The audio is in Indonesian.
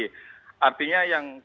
jadi artinya yang